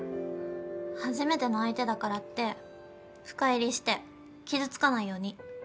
初めての相手だからって深入りして傷つかないように。